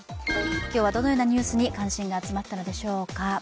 今日はどのようなニュースに関心が集まったのでしょうか。